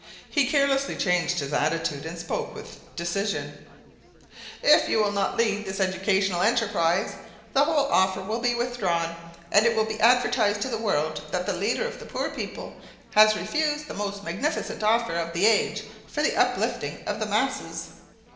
He carelessly changed his attitude and spoke with decision "If you will not lead this educational enterprise, the whole offer will be withdrawn and it will be advertised to the world that the leader of the poor people has refused the most magnificent offer of the age for the uplifting of the masses."